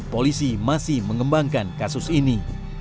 polisi masih mengembangkan kasus ini